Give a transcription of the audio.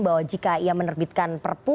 bahwa jika ia menerbitkan perpu